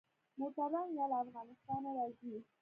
موټران يا له افغانستانه راځي.